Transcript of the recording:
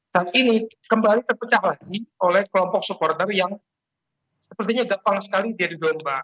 dan ini kembali terpecah lagi oleh kelompok supporter yang sepertinya gampang sekali jadi domba